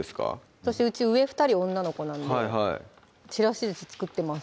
私うち上２人女の子なんでちらしずし作ってます